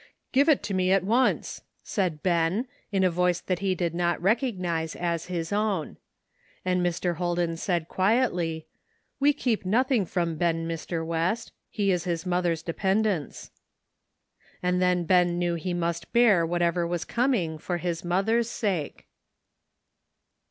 "Give it to me at once," said Ben, in a voice that he did not recognize as his own. And Mr. Holden said quietly, "We keep nothing from Ben, Mr. West ; he is his mother's depen dence." And then Ben knew he must bear whatever was coming, for his mother's sake.